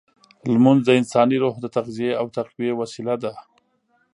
لمونځ د انساني روح د تغذیې او تقویې وسیله ده.